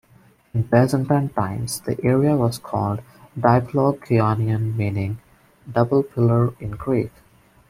In Byzantine times, the area was called "Diplokionion", meaning "double pillar" in Greek.